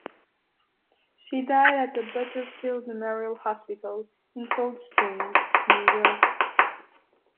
She died at the Butterfield Memorial Hospital, in Cold Springs, New York.